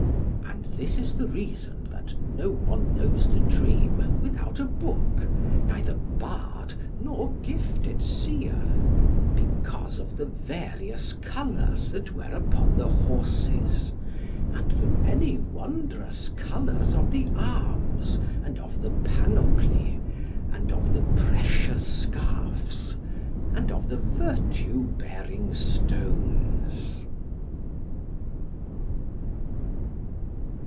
And this is the reason that no one knows the dream without a book, neither bard nor gifted seer; because of the various colours that were upon the horses, and the many wondrous colours of the arms and of the panoply, and of the precious scarfs, and of the virtue bearing stones.